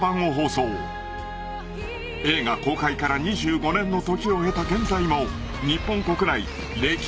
［映画公開から２５年の時を経た現在も日本］